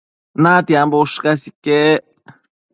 natiambo ushcas iquec